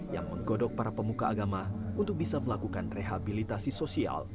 yang menggodok para pemuka agama untuk bisa melakukan rehabilitasi sosial